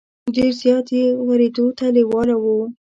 ډېر زیات یې ورېدو ته لېواله وو.